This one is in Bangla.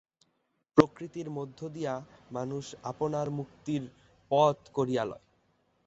প্রকৃতির মধ্য দিয়া মানুষ আপনার মুক্তির পথ করিয়া লয়।